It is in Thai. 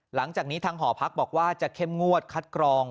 หลังจากนี้ทางหอพักบอกว่าจะเข้มงวดคัดกรอง